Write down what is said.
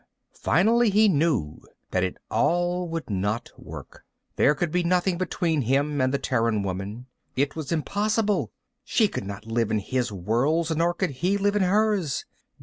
Finally he knew that it all would not work. There could be nothing between him and the Terran woman. It was impossible. She could not live in his worlds, nor could he live in hers.